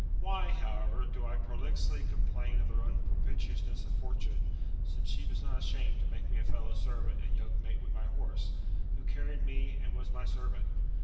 Why, however, do I prolixly complain of the unpropitiousnesss of Fortune; since she was not ashamed to make me a fellow servant and yokemate with my horse, who carried me and was my servant?